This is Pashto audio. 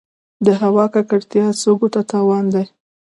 د هوا ککړتیا سږو ته تاوان دی.